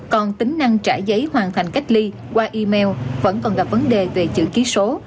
còn tính năng trả giấy hoàn thành cách ly qua email vẫn còn gặp vấn đề về chữ ký số